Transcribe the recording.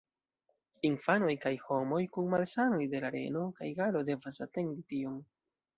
Infanoj kaj homoj kun malsanoj de la reno kaj galo devas atendi tion.